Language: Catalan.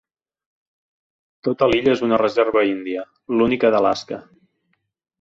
Tota l'illa és una reserva índia, l'única d'Alaska.